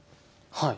はい。